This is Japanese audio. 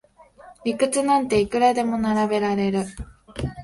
理屈なんていくらでも並べられる